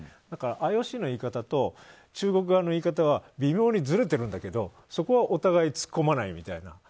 だからＩＯＣの言い方と中国側の言い方は微妙にずれてるんだけどそこはお互い、突っ込まないみたいな。